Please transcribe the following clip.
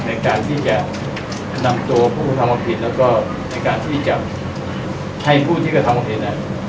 ในการที่จะนำตัวผู้ทำความผิดแล้วก็ในการที่จะให้ผู้ที่กระทำผิด